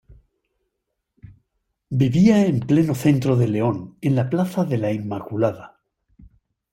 Vivía en pleno centro de León, en la plaza de La Inmaculada.